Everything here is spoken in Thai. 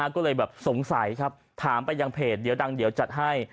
ก็เลยแบบสงสัยครับถามไปยังเพจเดี๋ยวดังเดี๋ยวจัดให้